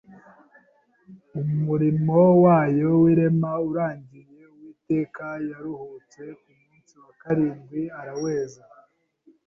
Umurimo wayo w’irema urangiye, Uwiteka yaruhutse ku munsi wa karindwi, araweza,